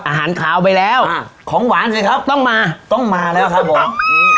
อาหารขาวไปแล้วอ่าของหวานสิครับต้องมาต้องมาแล้วครับผมอืม